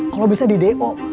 kalau bisa di do